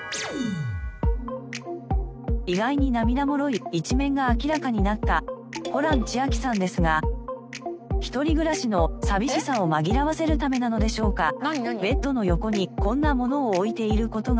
意外に涙もろい一面が明らかになったホラン千秋さんですが一人暮らしの寂しさを紛らわせるためなのでしょうかベッドの横にこんなものを置いている事がわかりました。